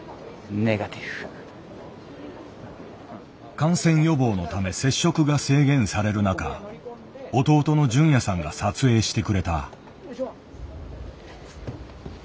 感染予防のため接触が制限される中弟の隼也さんが撮影してくれた。